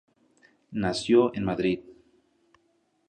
Nació en Madrid.